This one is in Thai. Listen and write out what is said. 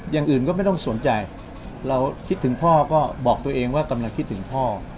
อย่างอื่นก็ไม่ต้องสนใจเราคิดถึงพ่อก็บอกตัวเองว่ากำลังคิดถึงพ่อ